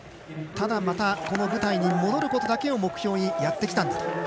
ただ、この舞台に戻ることだけを目標にやってきたんだと。